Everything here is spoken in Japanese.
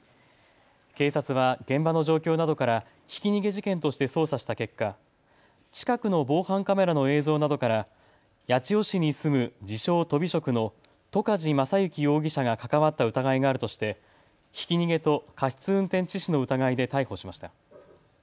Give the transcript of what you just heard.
警察は現場の状況などからひき逃げ事件として捜査した結果、近くの防犯カメラの映像などから八千代市に住む自称とび職の戸梶将行容疑者が関わった疑いがあるとしてひき逃げと過失運転致死の疑いで逮捕しました。